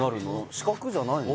四角じゃないの？